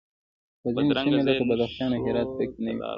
خو ځینې سیمې لکه بدخشان او هرات پکې نه وې